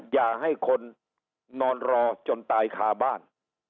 อย่าให้คนนอนรอจนตายคาบ้าน